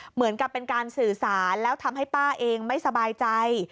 เหมือนกับเป็นการสื่อสารแล้วทำให้ป้าเองไม่สบายใจ